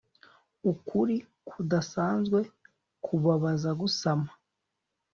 Ukuri kudasanzwe kubabaza gusama